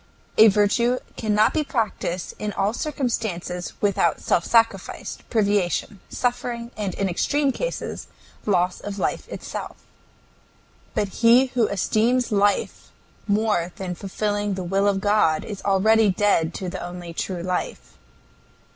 A virtue cannot be practiced in all circumstances without self sacrifice, privation, suffering, and in extreme cases loss of life itself. But he who esteems life more than fulfilling the will of God is already dead to the only true life.